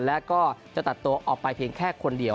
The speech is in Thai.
และก็จะตัดตัวออกไปเพียงแค่คนเดียว